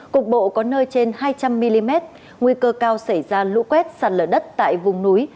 cục bộ có nơi trên hai trăm linh mm nguy cơ cao xảy ra lũ quét sạt lở đất tại vùng núi